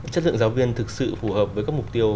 chất lượng giáo viên thực sự phù hợp với các mục tiêu